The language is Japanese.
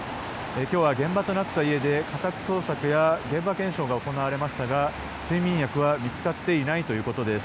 今日は現場となった家で家宅捜索や現場検証が行われましたが睡眠薬は見つかっていないということです。